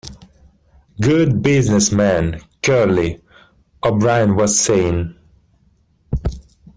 Good business man, Curly, O'Brien was saying.